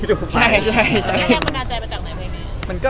แล้วเราก็น่าใจมาจากไหนเพลงนี้